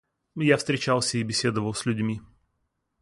Я встречался и беседовал с людьми.